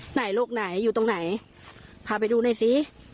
ไหนโรคไหนอยู่ตรงไหนพาไปดูหน่อยซิ